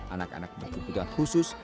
anak anak berkebutuhan khusus